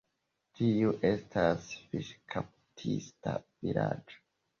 Tiu estas fiŝkaptista vilaĝo.